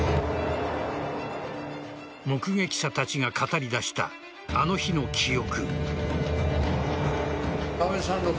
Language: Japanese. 目撃者たちが語り出したあの日の記憶。